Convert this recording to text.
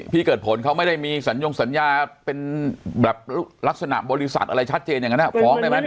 พี่เกิดผลเขาไม่ได้มีสัญญงสัญญาเป็นแบบลักษณะบริษัทอะไรชัดเจนอย่างนั้นฟ้องได้ไหม